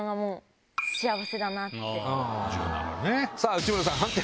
内村さん判定